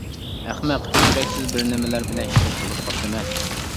-ئەخمەق، يۈرەكسىز بىر نېمىلەر بىلەن شېرىك بولۇپ قاپتىمەن.